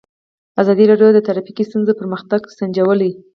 ازادي راډیو د ټرافیکي ستونزې پرمختګ سنجولی.